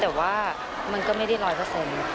แต่ว่ามันก็ไม่ได้ร้อยเปอร์เซ็นต์